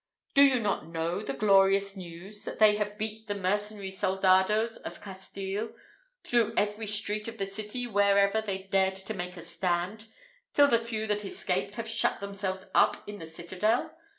Do you not know the glorious news, that they have beat the mercenary soldados of Castile through every street of the city wherever they dared to make a stand, till the few that escaped have shut themselves up in the citadel?